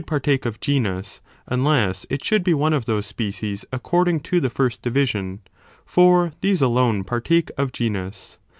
partake of genus, unless it should be one of those species according to the first division, for these alone partake of genus.